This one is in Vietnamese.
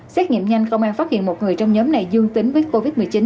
xét nghiệm nhanh công an phát hiện một người trong nhóm này dương tính với covid một mươi chín